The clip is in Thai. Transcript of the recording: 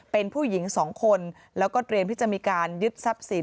เป็นผู้หญิงสองคนแล้วก็เตรียมที่จะมีการยึดทรัพย์สิน